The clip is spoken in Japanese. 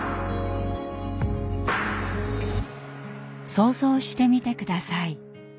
想像してみて下さい。